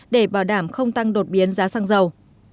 để bảo đảm không tăng đột biến giá xăng dầu